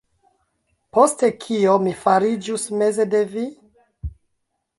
Poste kio mi fariĝus meze de vi?